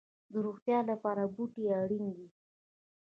د روغتیا لپاره بوټي اړین دي